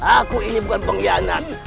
aku ini bukan penghianat